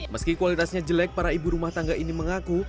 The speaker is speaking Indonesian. meski kualitasnya jelek para ibu rumah tangga ini mengaku